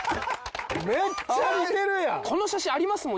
めっちゃ似てるやん！